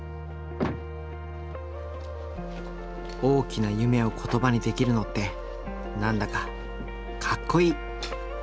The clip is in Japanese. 大きな夢を言葉にできるのって何だかかっこいい！